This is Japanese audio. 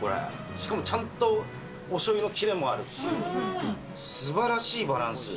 しかもちゃんとおしょうゆのキレもあるし、すばらしいバランス。